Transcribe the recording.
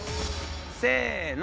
せの。